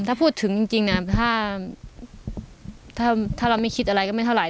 ถ้าพูดถึงจริงจริงน่ะถ้าถ้าถ้าเราไม่คิดอะไรก็ไม่เท่าไหร่